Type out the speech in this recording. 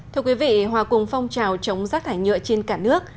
thưa quý vị hòa cùng phong trào chống rác thải nhựa trên cả nước